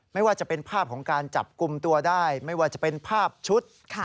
ไม่ว่าจะเป็นภาพของการจับกลุ่มตัวได้ไม่ว่าจะเป็นภาพชุด